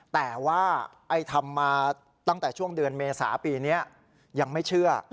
แต่ว่าไอ้ทำมาตั้งแต่ช่วงเดือนเมษาปีนี้ยังไม่เชื่อ